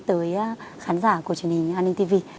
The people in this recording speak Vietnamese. tới khán giả của truyền hình an ninh tv